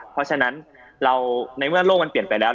เพราะฉะนั้นเราในเมื่อโลกมันเปลี่ยนไปแล้ว